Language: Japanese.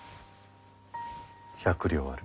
百両ある。